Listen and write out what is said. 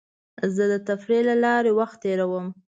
زه د تفریح له لارې وخت تېرووم.